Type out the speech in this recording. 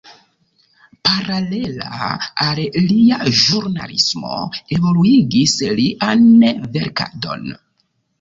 Paralela al lia ĵurnalismo, evoluigis lian verkadon.